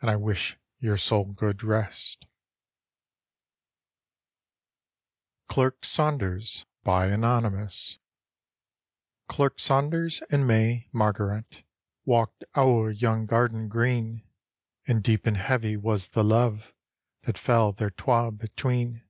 And I wish your soul good rest" CLERK SAUNDERS Clerk Saunders and may Margaret Walked ower yon garden green; And deep and heavy was the love That fell thir twa between.